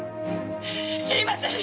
知りません！